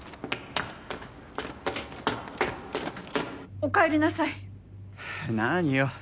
おかえりなさい。何よ。